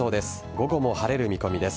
午後も晴れる見込みです。